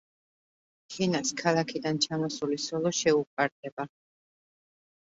თინას ქალაქიდან ჩამოსული სოლო შეუყვარდება.